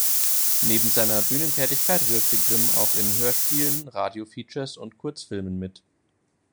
Neben seiner Bühnentätigkeit wirkte Grimm auch in Hörspielen, Radiofeatures und Kurzfilmen mit.